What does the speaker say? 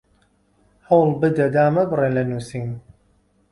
هەوڵ بدە دامەبڕێ لە نووسین